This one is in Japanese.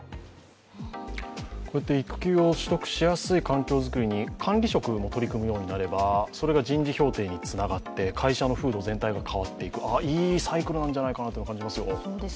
こうやって育休を取得しやすい環境作りに管理職も取り組むようになればそれが人事評定につながって会社の風土全体が変わっていく、いいサイクルなんじゃないかなと感じますよ。